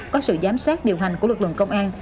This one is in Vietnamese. có sự giám sát điều hành của lực lượng công an